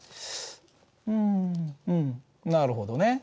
うんうんなるほどね。